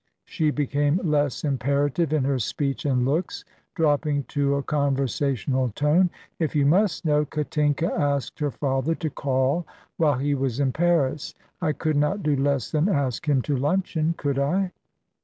She became less imperative in her speech and looks, dropping to a conversational tone. "If you must know, Katinka asked her father to call while he was in Paris. I could not do less than ask him to luncheon, could I?"